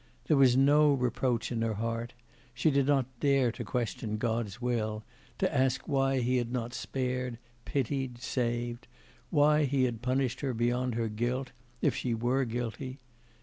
There was no reproach in her heart; she did not dare to question God's will, to ask why He had not spared, pitied, saved, why He had punished her beyond her guilt, if she were guilty.